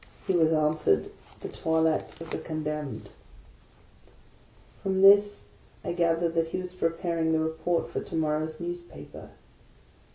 He was answered " The Toilet of the Condemned." From this I gathered that he was preparing the Report for to morrow's newspaper.